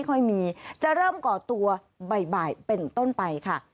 ค่ะคือเมื่อวานี้ค่ะ